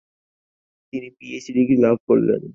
তিনি PhD degree লাভ করেন।